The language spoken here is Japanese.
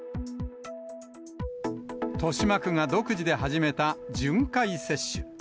豊島区が独自で始めた巡回接種。